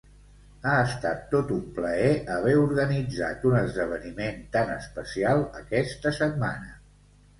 Ha estat tot un plaer haver organitzat un esdeveniment tan especial aquesta setmana.